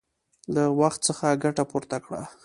له وخت څخه ګټه پورته کړه!